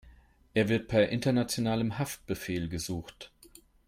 Er wird per internationalem Haftbefehl gesucht.